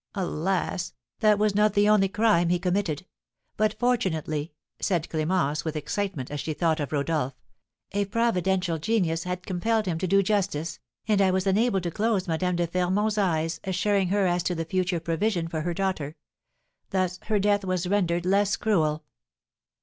Alas! that was not the only crime he committed; but fortunately," said Clémence, with excitement, as she thought of Rodolph, "a providential genius had compelled him to do justice, and I was enabled to close Madame de Fermont's eyes, assuring her as to the future provision for her daughter; thus her death was rendered less cruel."